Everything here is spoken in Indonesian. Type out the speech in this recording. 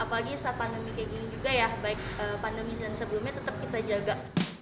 baik pandemi dan sebelumnya tetap kita jaga